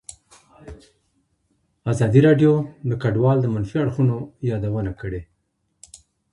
ازادي راډیو د کډوال د منفي اړخونو یادونه کړې.